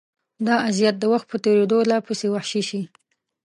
دا اذیت د وخت په تېرېدو لا پسې وحشي شي.